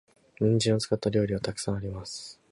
人参を使った料理は沢山あります。